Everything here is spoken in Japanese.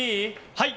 はい！